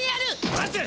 待て！